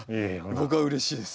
僕はうれしいです。